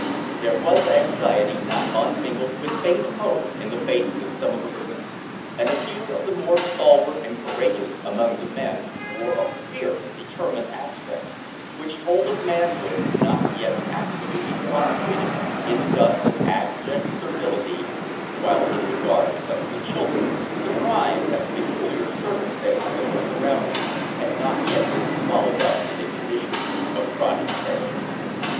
There was anxiety not unmingled with faint hope in the faces of some of the women; and a few of the more stalwart and courageous among the men wore a fierce, determined aspect which told of manhood not yet absolutely prostrated in the dust of abject servility, while, in regard to some of the children, surprise at the peculiar circumstances of their surroundings had not yet been swallowed up in a condition of chronic terror.